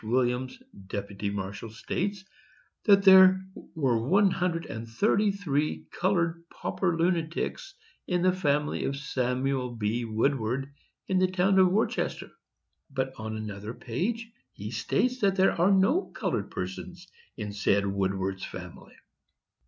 Williams, deputy marshal, states that there were one hundred and thirty three colored pauper lunatics in the family of Samuel B. Woodward, in the town of Worcester; but on another page he states that there are no colored persons in said Woodward's family.